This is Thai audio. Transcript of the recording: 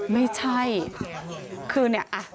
ไม่ใช่คือ